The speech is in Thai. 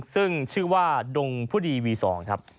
ซึ่งชื่อว่าดงพุดีวี๒ครับ